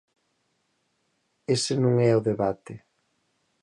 Ese non é o debate.